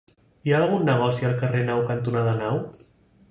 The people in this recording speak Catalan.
Hi ha algun negoci al carrer Nau cantonada Nau?